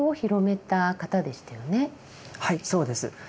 はいそうです。